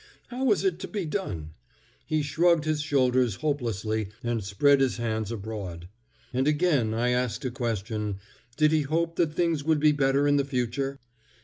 How was it to be done? He shrugged his shoulders hopelessly and spread his hands abroad. And again I asked a question—did he hope that things would be better in the future?